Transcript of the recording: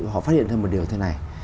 họ phát hiện ra một điều thế này